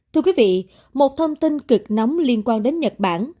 thưa quý vị một thông tin cực nóng liên quan đến nhật bản